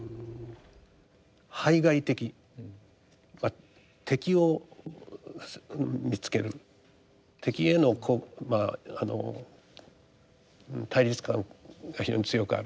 排外的敵を見つける敵へのこうまああの対立感が非常に強くある。